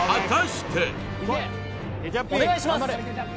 お願いします！